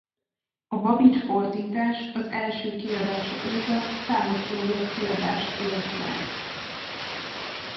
A Babits-fordítás az első kiadása óta számos újabb kiadást élt meg.